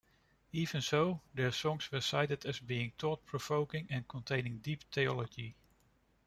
Even so, their songs were cited as being thought-provoking and containing deep theology.